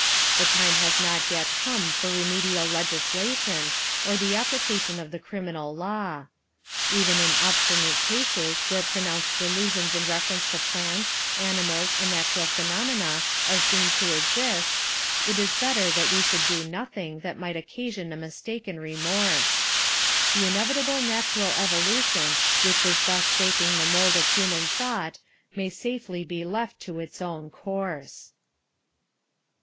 The time has not yet come for remedial legislation, or the application of the criminal law. Even in obstinate cases where pronounced delusions in reference to plants, animals, and natural phenomena are seen to exist, it is better that we should do nothing that might occasion a mistaken remorse. The inevitable natural evolution which is thus shaping the mould of human thought may safely be left to its own course.